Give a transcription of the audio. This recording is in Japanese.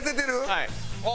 はい。